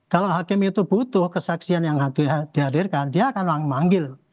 kalau hakim itu butuh kesaksian yang dihadirkan dia akan manggil